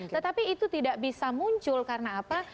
tetapi itu tidak bisa muncul karena apa